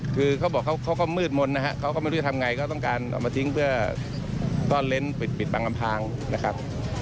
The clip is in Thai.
คือเขาบอกเขาก็มืดมนต์นะฮะเขาก็ไม่รู้จะทำไงก็ต้องการเอามาทิ้งเพื่อซ่อนเล้นปิดบังอำพางนะครับ